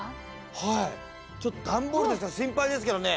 はい段ボールですから心配ですけどね。